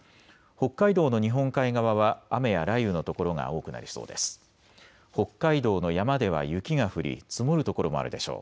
北海道の山では雪が降り積もる所もあるでしょう。